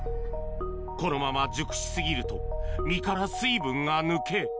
このまま熟し過ぎると、実から水分が抜け。